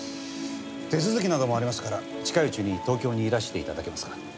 手続きなどもありますから近いうちに東京にいらして頂けますか？